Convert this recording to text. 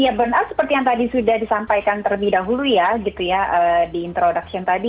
ya burnout seperti yang tadi sudah disampaikan terlebih dahulu ya di introduction tadi